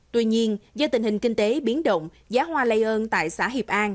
tuy nhiên do tình hình kinh tế biến động giá hoa lây ơn tại xã hiệp an